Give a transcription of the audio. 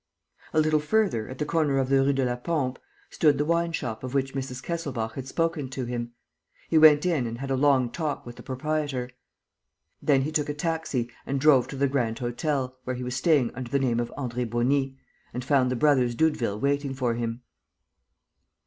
A little further, at the corner of the Rue de la Pompe, stood the wine shop of which Mrs. Kesselbach had spoken to him. He went in and had a long talk with the proprietor. Then he took a taxi and drove to the Grand Hotel, where he was staying under the name of André Beauny, and found the brothers Doudeville waiting for him.